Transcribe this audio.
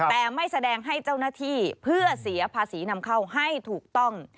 แต่ไม่แสดงให้เจ้าหน้าที่เพื่อเสียภาษีนำเข้าให้ถูกต้อง